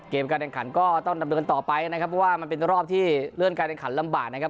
การแข่งขันก็ต้องดำเนินต่อไปนะครับเพราะว่ามันเป็นรอบที่เลื่อนการแข่งขันลำบากนะครับ